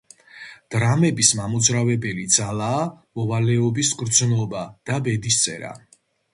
დრამების მამოძრავებელი ძალაა მოვალეობის გრძნობა და ბედისწერა.